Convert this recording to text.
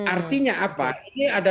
artinya apa ini ada